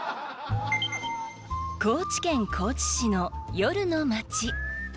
高知県高知市の夜の街。